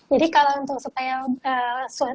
jadi kalo untuk supaya